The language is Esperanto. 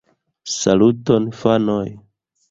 Saluton fanoj